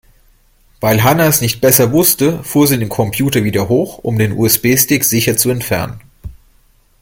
Weil Hanna es nicht besser wusste, fuhr sie den Computer wieder hoch, um den USB-Stick sicher zu entfernen.